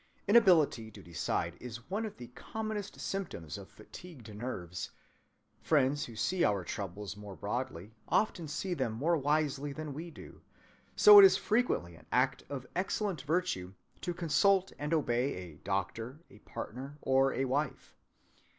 Inability to decide is one of the commonest symptoms of fatigued nerves; friends who see our troubles more broadly, often see them more wisely than we do; so it is frequently an act of excellent virtue to consult and obey a doctor, a partner, or a wife.